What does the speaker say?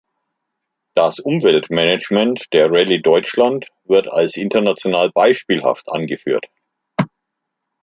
Das Umweltmanagement der Rallye Deutschland wird als international beispielhaft angeführt.